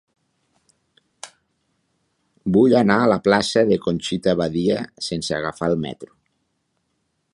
Vull anar a la plaça de Conxita Badia sense agafar el metro.